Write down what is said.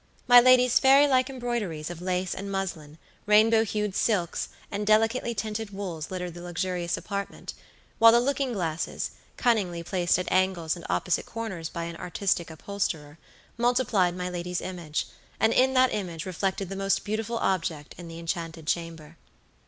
My lady's fairy like embroideries of lace and muslin, rainbow hued silks, and delicately tinted wools littered the luxurious apartment; while the looking glasses, cunningly placed at angles and opposite corners by an artistic upholsterer, multiplied my lady's image, and in that image reflected the most beautiful object in the enchanted chamber.